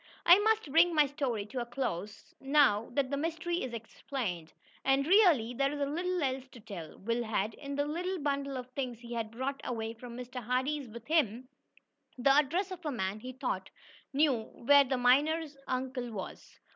I must bring my story to a close, now that the mystery is explained. And, really, there is little else to tell. Will had, in the little bundle of things he had brought away from Mr. Hardee's with him, the address of a man he thought knew where the miner uncle was.